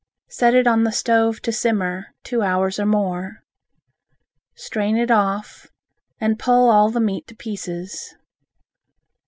Set it on the stove to simmer, two hours or more. Strain it off, and pull all the meat to pieces.